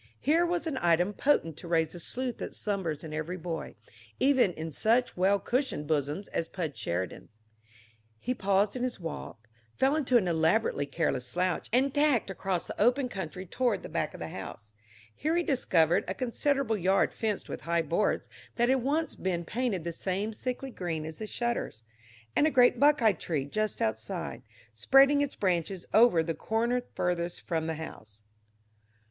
Here was an item potent to raise the sleuth that slumbers in every boy, even in such well cushioned bosoms as Pudge Sheridan's. He paused in his walk, fell into an elaborately careless slouch, and tacked across the open country toward the back of the house. Here he discovered a considerable yard fenced with high boards that had once been painted the same sickly green as the shutters, and a great buckeye tree just outside, spreading its branches over the corner furthest from the house.